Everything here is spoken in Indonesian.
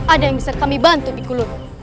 ada yang bisa kami bantu di kuluh